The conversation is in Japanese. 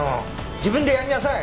自分でやりなさい！